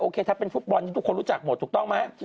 ถ้าเป็นฟุตบอลทุกคนรู้จักหมดถูกต้องไหม